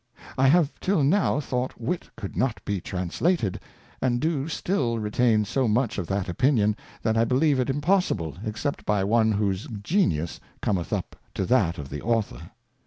I have till now thought Wit could not be Translated, and do still retain so much of that Opinion, that I believe it impossible, except by one whose Genius cometh up to that of the Author.